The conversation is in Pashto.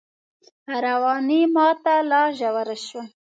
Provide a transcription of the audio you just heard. رواني ماته لا ژوره شوه